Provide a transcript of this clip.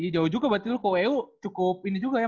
jauh juga berarti lu ke wu cukup ini juga ya